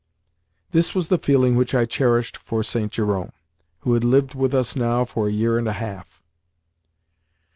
This was the feeling which I cherished for St. Jerome, who had lived with us now for a year and a half.